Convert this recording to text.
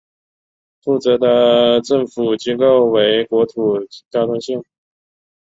负责的政府机构为国土交通省。